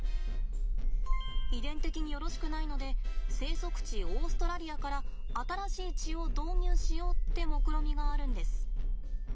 遺伝的によろしくないので生息地オーストラリアから新しい血を導入しようってもくろみがあるんです。